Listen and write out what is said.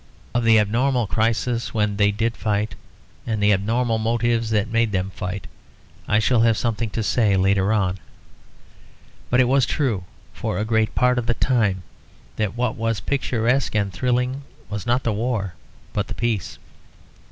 Of the abnormal crisis when they did fight, and the abnormal motives that made them fight, I shall have something to say later on. But it was true for a great part of the time that what was picturesque and thrilling was not the war but the peace.